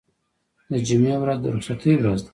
د جمعې ورځ د رخصتۍ ورځ ده.